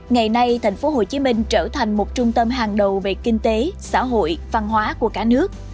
ngày nay thành phố hồ chí minh trở thành một trung tâm hàng đầu về kinh tế xã hội văn hóa của chúng tôi